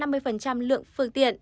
giới hạn năm mươi lượng phương tiện